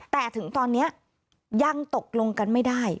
แต่ถึงตอนนี้ยังตกลงกันไม่ได้